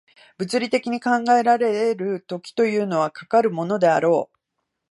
物理的に考えられる時というのは、かかるものであろう。